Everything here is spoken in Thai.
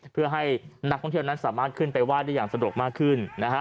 เพื่อให้นักท่องเที่ยวนั้นสามารถขึ้นไปไห้ได้อย่างสะดวกมากขึ้นนะฮะ